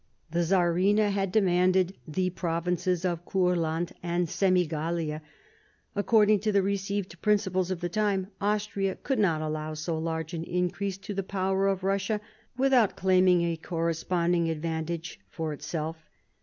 The Czarina had demanded the provinces of Courland and Senegalia. According to the received principles of the time, Austria could not allow so large an increase to the power of Eussia without claiming a corre sponding advantage for itself.